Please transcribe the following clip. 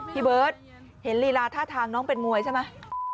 พี่เบิร์ตเห็นลีลาท่าทางน้องเป็นมวยใช่ไหม